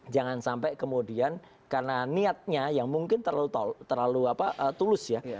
jangan sampai kemudian karena niatnya yang mungkin terlalu tulus ya